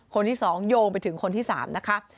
คนที่๒โยงไปถึงคนที่๓นะคะ